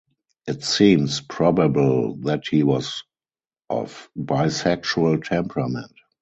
It seems probable that he was of bisexual temperament.